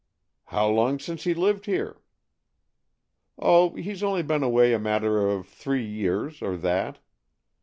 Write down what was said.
"How long since he lived here?" "Oh, he's only been away a matter of three years, or that.